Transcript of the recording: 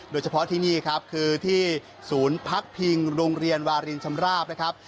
โดยเฉพาะที่นี่ครับคือที่ศูนย์พักพิงโรงเรียนวารินชำราบนะครับ